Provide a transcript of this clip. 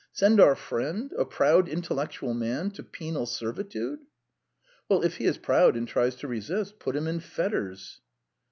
Send our friend, a proud intellectual man, to penal servitude!" "Well, if he is proud and tries to resist, put him in fetters!"